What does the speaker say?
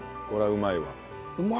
うまいな。